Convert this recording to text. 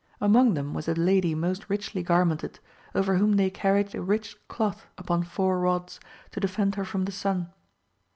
Among them was a lady most richly garmented, over whom they carried a rich cloth upon four rods, to defend her from the sun.